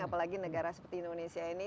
apalagi negara seperti indonesia ini